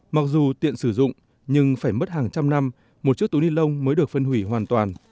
mặc dù tiện sử dụng nhưng phải mất hàng trăm năm một chiếc túi ni lông mới được phân hủy hoàn toàn